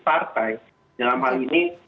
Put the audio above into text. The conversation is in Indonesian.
partai dalam hal ini